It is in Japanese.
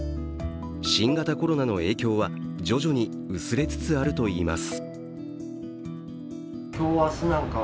新型コロナの影響は徐々に薄れつつあるといいます。